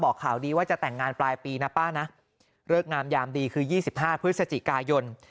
ข่าวดีว่าจะแต่งงานปลายปีนะป้านะเลิกงามยามดีคือ๒๕พฤศจิกายน